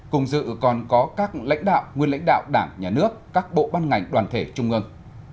cùng dự còn có các lãnh đạo nguyên lãnh đạo đảng nhà nước các bộ ban ngành đoàn thể trung ương